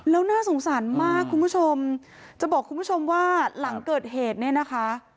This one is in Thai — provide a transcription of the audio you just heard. แล้วน่าสงสารมากคุณผู้ชมจะบอกคุณผู้ชมว่าหลังเกิดเหตุเนี่ยนะคะ